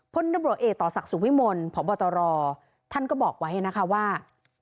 พอตศักษณ์สุพิมนธ์ผบตรท่านก็บอกไว้นะคะว่า